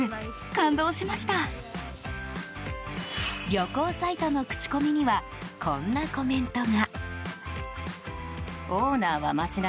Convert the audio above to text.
旅行サイトの口コミにはこんなコメントが。